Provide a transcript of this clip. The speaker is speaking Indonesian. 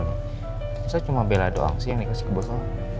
bisa cuma bella doang sih yang dikasih ke bos lo